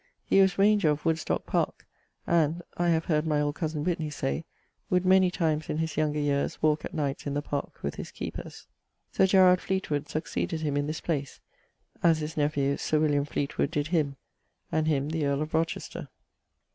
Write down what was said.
He was raunger of Woodstocke parke, and (I have heard my old cosen Whitney say) would many times in his younger yeares walke at nights in the parke with his keepers. Sir Gerard Fleetwood succeeded him in this place[X.]; as his nephew Sir William Fleetwood did him, and him the earl of Rochester.